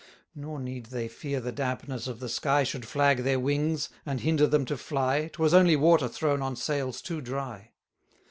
Nor need they fear the dampness of the sky Should flag their wings, and hinder them to fly 'Twas only water thrown on sails too dry.